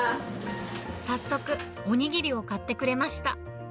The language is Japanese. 早速、お握りを買ってくれました。